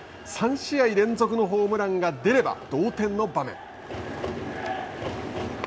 ３試合連続ホームランが出れば同点の場面。